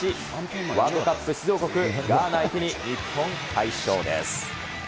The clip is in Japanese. ワールドカップ出場国、ガーナ相手に日本、快勝です。